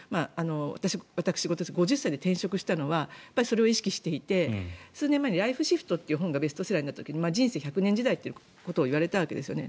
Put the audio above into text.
私、私事ですが５０歳で転職したのはそれを意識していて数年前に「ライフシフト」っていう本がベストセラーになった時に人生１００年時代といわれたわけですよね。